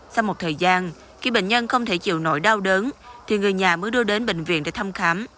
sau một thời gian khi bệnh nhân không thể chịu nổi đau đớn thì người nhà mới đưa đến bệnh viện để thăm khám